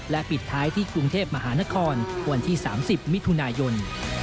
ปิดท้ายที่กรุงเทพมหานครวันที่๓๐มิถุนายน